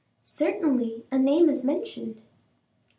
"Certainly, a name is mentioned."